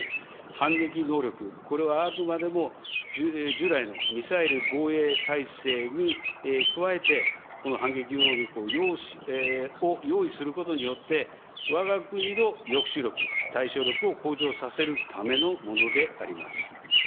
反撃能力、これはあくまでも従来のミサイル防衛体制に加えて、この反撃能力を用意することによって、わが国の抑止力、対処力を向上させるためのものであります。